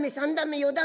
「四段目」